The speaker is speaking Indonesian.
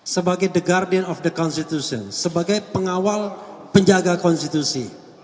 sebagai the guardian of the constitution sebagai pengawal penjaga konstitusi